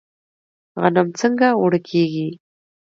غنم څنګه اوړه کیږي؟